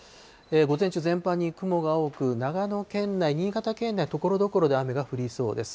午前中、全般に雲が多く、長野県内、新潟県内、ところどころで雨が降りそうです。